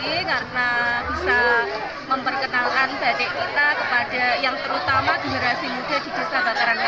karena bisa memperkenalkan badik kita kepada yang terutama generasi muda di desa bakaran wutan